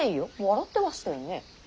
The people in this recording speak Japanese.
笑ってましたよね。